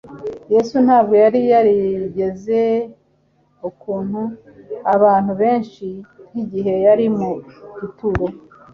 Yesu ntabwo yari yarigeze akunu-a abantu benshi nk'igihe yari mu gituro.